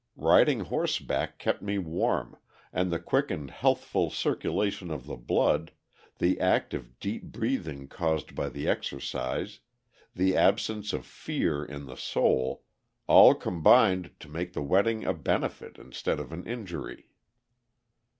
Riding horseback kept me warm, and the quick and healthful circulation of the blood, the active deep breathing caused by the exercise, the absence of fear in the soul, all combined to make the wetting a benefit instead of an injury.